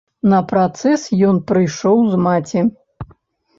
На працэс ён прыйшоў з маці.